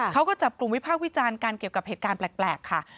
เขาก็จับกลุ่มวิพากษ์วิจารณ์กันเกี่ยวกับเหตุการณ์แปลกค่ะ